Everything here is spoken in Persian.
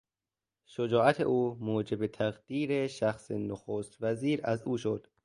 شجاعت او موجب تقدیر شخص نخست وزیر از او شد.